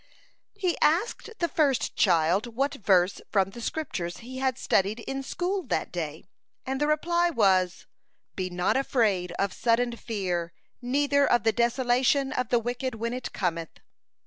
He asked the first child what verse from the Scriptures he had studied in school that day, and the reply was: "Be not afraid of sudden fear, neither of the desolation of the wicked when it cometh."